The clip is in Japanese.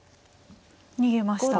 逃げました。